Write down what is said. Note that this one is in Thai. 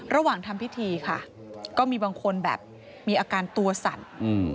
ระหว่างทำพิธีค่ะก็มีบางคนแบบมีอาการตัวสั่น